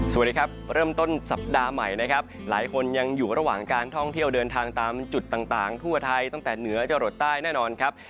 สวัสดีครับเริ่มต้นสัปดาห์ใหม่นะครับหลายคนยังอยู่ระหว่างการท่องเที่ยวเดินทางตามจุดต่างทั่วไทยตั้งแต่เหนือจะหลดใต้แน่นอนครับ